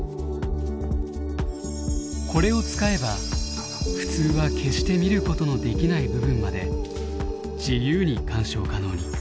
これを使えば普通は決して見ることのできない部分まで自由に鑑賞可能に。